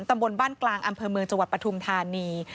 ตำบลบ้านกลางอำเภอเมืองจังหวัดปฐุมธานี